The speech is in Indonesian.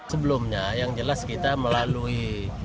sebelumnya yang jelas kita melalui